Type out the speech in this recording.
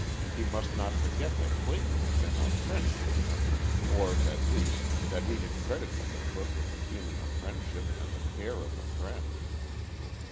He must not forget that Clayton had been a friend to him or, at least, that he had credited the crook with a feeling of friendship and the care of a friend.